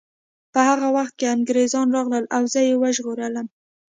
په هغه وخت کې انګریزان راغلل او زه یې وژغورلم